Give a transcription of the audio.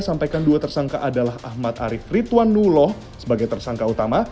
sampaikan dua tersangka adalah ahmad arief ridwan nuloh sebagai tersangka utama